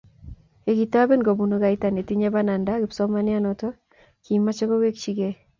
Ye kitoben kobunuu kaita netinye bananda kisomanian noto kimeche kowekchikei.